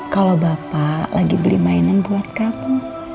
kalau bapak lagi beli mainan buat kamu